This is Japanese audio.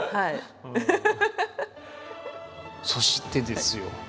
そしてですよ。